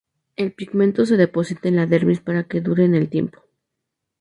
El pigmento se deposita en la dermis para que dure en el tiempo.